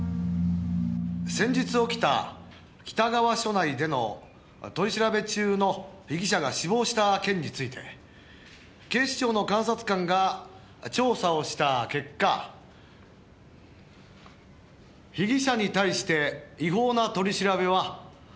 「先日起きた北川署内での取り調べ中の被疑者が死亡した件について警視庁の監察官が調査をした結果被疑者に対して違法な取り調べはありませんでした」